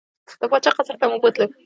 د پاچا قصر ته مو بوتلو.